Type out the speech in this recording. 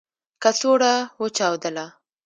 کڅوړه و چاودله .